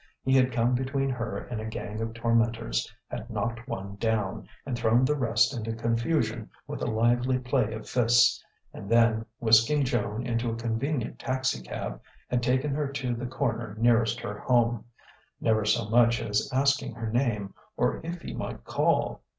He had come between her and a gang of tormentors, had knocked one down and thrown the rest into confusion with a lively play of fists, and then, whisking Joan into a convenient taxicab, had taken her to the corner nearest her home never so much as asking her name, or if he might call....